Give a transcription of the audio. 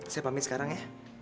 saya pamit sekarang ya